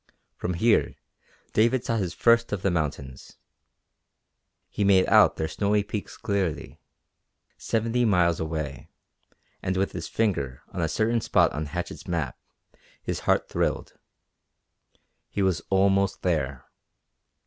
From here David saw his first of the mountains. He made out their snowy peaks clearly, seventy miles away, and with his finger on a certain spot on Hatchett's map his heart thrilled. He was almost there!